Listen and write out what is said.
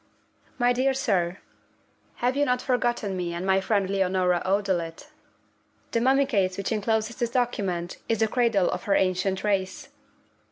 _ 'My dear Sir, You have not forgotten me and my friend Leonora O'Dolite? _'The Mummy Case which encloses this document is the Cradle of her ancient Race.